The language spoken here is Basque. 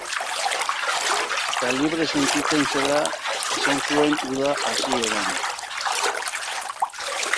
Baina, isiltasuna hautsi eta libre sentitzen zela esan zuen uda hasieran.